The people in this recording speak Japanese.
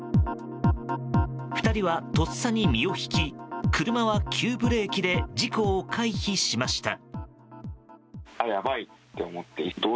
２人はとっさに身を引き車は急ブレーキで事故を回避しました。